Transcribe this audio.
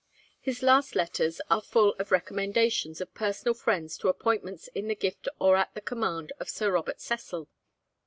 His last letters are full of recommendations of personal friends to appointments in the gift or at the command of Sir Robert Cecil.